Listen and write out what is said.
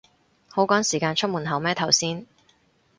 好趕時間出門口咩頭先